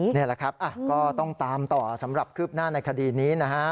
นี่แหละครับก็ต้องตามต่อสำหรับคืบหน้าในคดีนี้นะฮะ